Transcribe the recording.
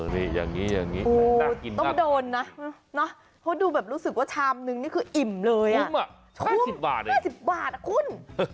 ต้องโดนนะเนาะดูแบบรู้สึกว่าชามนึงนี่คืออิ่มเลยอ่ะคุ้มอ่ะค่าสิบบาทเองค่าสิบบาทนะคุณ